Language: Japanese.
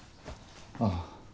ああ。